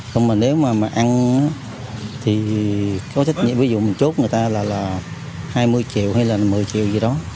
không mà nếu mà ăn thì có thích nhận ví dụ mình chốt người ta là hai mươi triệu hay là một mươi triệu gì đó